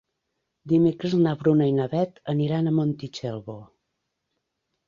Dimecres na Bruna i na Beth aniran a Montitxelvo.